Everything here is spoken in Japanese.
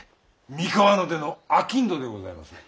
三河の出のあきんどでございまする。